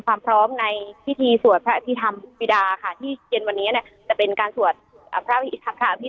ความพร้อมในพิธีสวดพระอภิษฐรรมปิดาค่ะที่เย็นวันนี้เนี่ยจะเป็นการสวดพระอภิษ